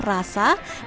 rasa harga dan keuntungan